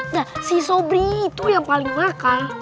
nah si sobri itu yang paling mahal